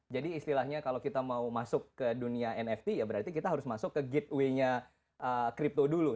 jadi istilahnya kalau kita mau masuk ke dunia nft ya berarti kita harus masuk ke gateway nya kripto dulu